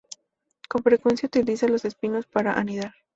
Con frecuencia utilizan los espinos para anidar.